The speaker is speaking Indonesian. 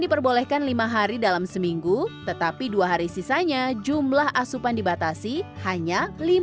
diperbolehkan lima hari dalam seminggu tetapi dua hari sisanya jumlah asupan dibatasi hanya